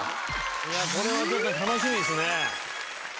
これはちょっと楽しみですね。